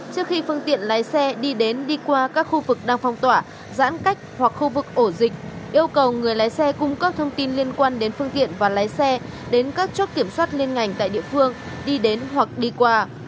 trước khi phương tiện lái xe đi đến đi qua các khu vực đang phong tỏa giãn cách hoặc khu vực ổ dịch yêu cầu người lái xe cung cấp thông tin liên quan đến phương tiện và lái xe đến các chốt kiểm soát liên ngành tại địa phương đi đến hoặc đi qua